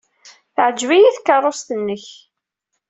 Teɛjeb-iyi tkeṛṛust-nnek.